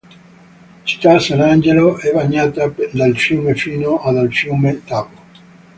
Città Sant'Angelo è bagnata dal fiume Fino e dal fiume Tavo.